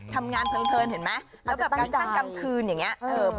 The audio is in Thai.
ทำงานเพลินเห็นไหมแล้วแบบกลางคืนอย่างนี้